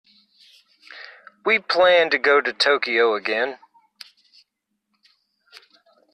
We plan to go to Tokyo again.